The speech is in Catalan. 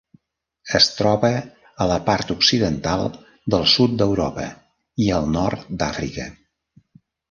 Es troba a la part occidental del sud d'Europa i al nord d'Àfrica.